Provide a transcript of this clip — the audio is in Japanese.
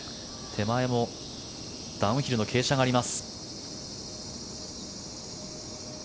手前もダウンヒルの傾斜があります。